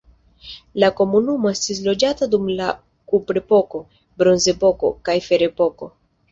La komunumo estis loĝata dum la kuprepoko, bronzepoko, kaj ferepoko.